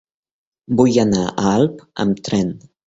Vull anar a Alp amb tren.